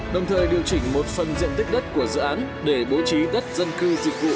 đồng thời điều chỉnh một phần diện tích đất của dự án để bố trí đất dân cư dịch vụ